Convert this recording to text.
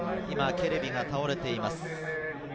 今、ケレビが倒れています。